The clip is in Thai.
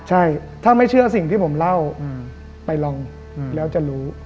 ใช่ถ้าไม่เชื่อสิ่งที่ผมเล่าไปลองแล้วจะรู้